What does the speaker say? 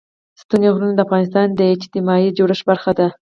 ستوني غرونه د افغانستان د اجتماعي جوړښت برخه ده.